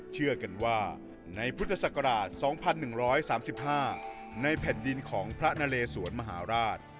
เชื่อกันว่าในพุทธศักราช๒๑๓๕ในแผ่นดินของพระนเลสวนมหาราช